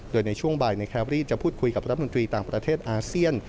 โดยในช่วงบ่ายในแครรี่จะพูดคุยกับรัฐมนตรีต่างประเทศอาเซียน